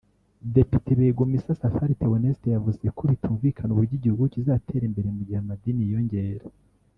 Depite Begumisa Safari Théoneste yavuze ko bitumvikana uburyo igihugu kizatera imbere mu gihe amadini yiyongera